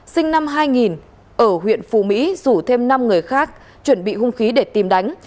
sinh năm hai nghìn ở huyện phù mỹ rủ thêm năm người khác chuẩn bị hung khí để tìm đánh